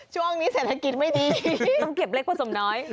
ช่วงนี้เศรษฐกิจไม่ดีต้องเก็บเล็กผสมน้อย